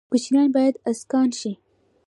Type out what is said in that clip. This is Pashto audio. کوچیان باید اسکان شي